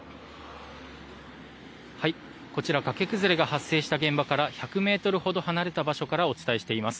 こちら崖崩れが発生した現場から１００ｍほど離れた場所からお伝えしています。